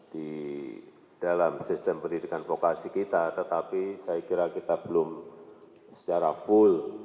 di dalam sistem pendidikan vokasi kita tetapi saya kira kita belum secara full